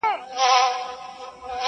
د پردیو په کوڅه کي ارمانونه ښخومه.!